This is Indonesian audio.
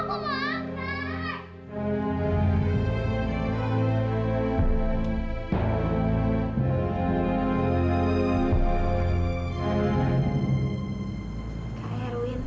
tunggu aku mau anggret